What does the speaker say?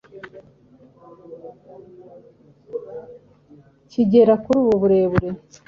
kigera kuri ubu burebure.